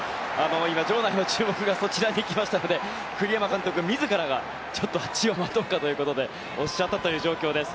今、場内の注目がそちらに行きましたので栗山監督自らがちょっとあっちを待とうかとおっしゃった状況です。